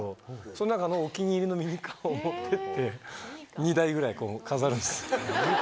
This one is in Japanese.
その中のお気に入りのミニカーを持ってって２台ぐらい飾るんです。